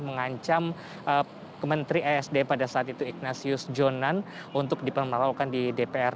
mengancam kementeri esd pada saat itu ignasius jonan untuk dipenuhi di dpr